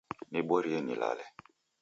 Niborie nilale